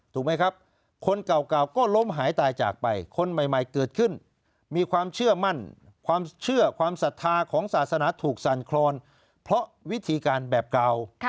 ถูกไหมครับคนเก่าก็ล้มหายตายจากไปคนใหม่เกิดขึ้นมีความเชื่อมั่นความเชื่อความศรัทธาของศาสนาถูกสั่นคลอนเพราะวิธีการแบบเก่า